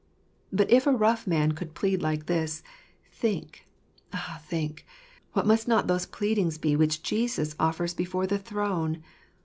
But if a rough man could plead like this, think, ah think, what must not those pleadings be which Jesus offers before the throne